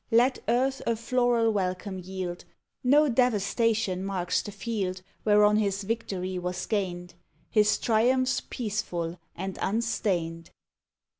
Let earth a floral welcome yield, No devastation marks the field Whereon his victory was gained, His triumph's peaceful and unstained.